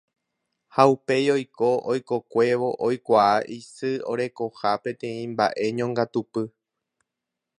ha upéi oiko oikokuévo oikuaa isy orekoha peteĩ mba'e ñongatupy